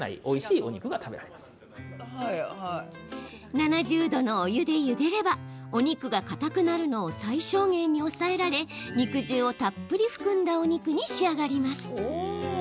７０度のお湯でゆでればお肉が、かたくなるのを最小限に抑えられ肉汁をたっぷり含んだお肉に仕上がります。